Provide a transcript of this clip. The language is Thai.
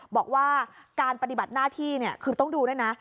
บอกว่าการปฏิบัติหน้าที่คือต้องดูด้วยนะ